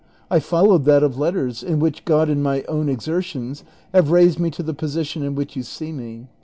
I followed that of letters, in which God and my own exertions have raised me to the posi tion in which yon see me.